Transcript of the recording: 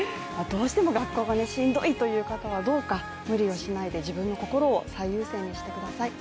どうしても学校がしんどいという方はどうか無理をしないで自分の心を最優先にしてください。